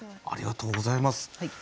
ありがとうございます。